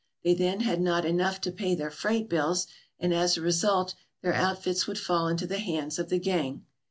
They then had not enough to pay their freight bills and as a result their out fits would fall into the hands of the gang.